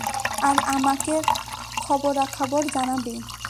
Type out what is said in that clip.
আর আমাকে খবরাখবর জানাবি।